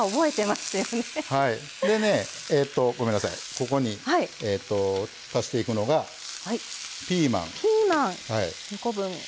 ここに足していくのがピーマン。